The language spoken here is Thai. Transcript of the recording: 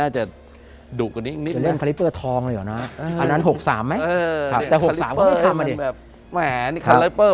จริงเมตร๑